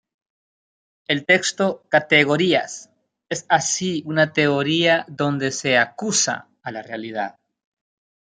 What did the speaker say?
El texto "Categorías" es así una teoría donde se "acusa" a la realidad.